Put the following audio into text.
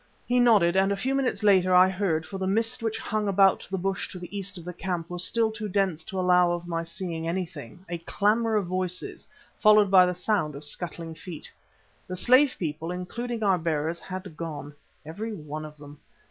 He nodded, and a few minutes later I heard for the mist which hung about the bush to the east of the camp was still too dense to allow of my seeing anything a clamour of voices, followed by the sound of scuttling feet. The slave people, including our bearers, had gone, every one of them.